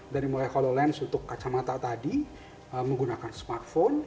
dari mulai hololence untuk kacamata tadi menggunakan smartphone